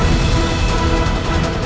aku akan menangkanmu